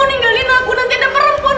tinggalin aku nanti ada perempuan